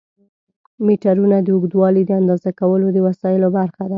میټرونه د اوږدوالي د اندازه کولو د وسایلو برخه ده.